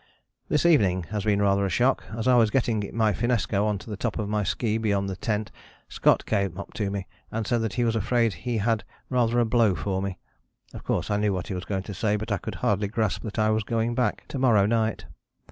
"This evening has been rather a shock. As I was getting my finnesko on to the top of my ski beyond the tent Scott came up to me, and said that he was afraid he had rather a blow for me. Of course I knew what he was going to say, but could hardly grasp that I was going back to morrow night.